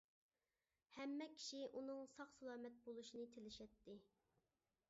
ھەممە كىشى ئۇنىڭ ساق-سالامەت بولۇشىنى تىلىشەتتى.